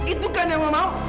itu kan yang mau